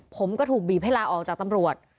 ผมก็ถูกบีบให้ลาออกจากตำรวจ